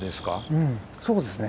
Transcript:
うんそうですね